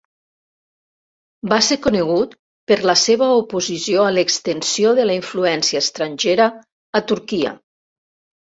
Va ser conegut per la seva oposició a l'extensió de la influència estrangera a Turquia.